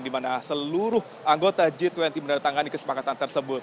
dimana seluruh anggota g dua puluh menandatangani kesepakatan tersebut